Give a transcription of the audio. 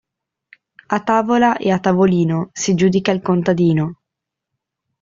A tavola e a tavolino si giudica il contadino.